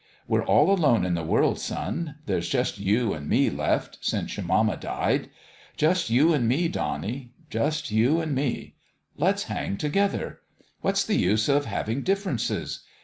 We're all alone in the world, son. There's just you and me left since your mama died. Just you and me, Donnie just you and me. Let's hang together. What's the use of having differences?